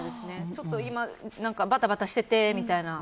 ちょっと今バタバタしててみたいな。